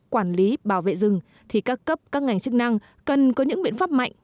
quản lý bảo vệ rừng thì các cấp các ngành chức năng cần có những biện pháp mạnh